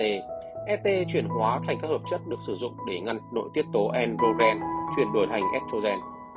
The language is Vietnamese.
et chuyển hóa thành các hợp chất được sử dụng để ngăn đội tiết tố n rhoden chuyển đổi thành estrogen